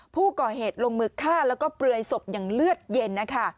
ผู้ก่อเหตุลงมือฆ่าแล้วก็เปลือยศพอย่างเลือดเย็นนะคะ